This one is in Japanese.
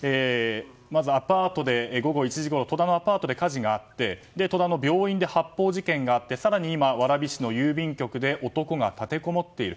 まず午後１時ごろ戸田のアパートで火事があって戸田の病院で発砲事件があって更にいま蕨市の郵便局で男が立てこもっている。